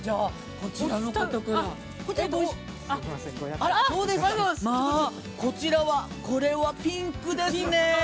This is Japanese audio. ◆こちらは、これは、これはピンクですねえ。